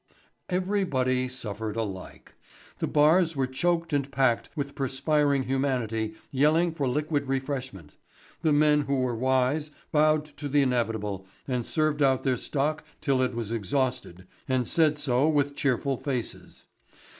Everybody suffered alike. The bars were choked and packed with perspiring humanity yelling for liquid refreshment, the men who were wise bowed to the inevitable and served out their stock till it was exhausted and said so with cheerful faces.